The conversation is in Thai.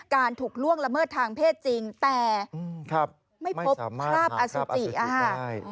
การถูกล่วงละเมิดทางเพศจริงแต่ไม่พบพระอสุจิ